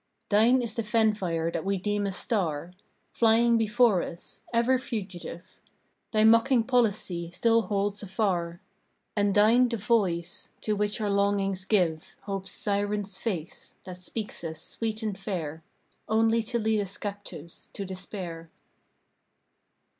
Thine is the fen fire that we deem a star, Flying before us, ever fugitive, Thy mocking policy still holds afar: And thine the voice, to which our longings give Hope's siren face, that speaks us sweet and fair, Only to lead us captives to Despair.